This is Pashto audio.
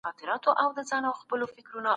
ولي په کندهار کي کوچني صنعتونه زیات دي؟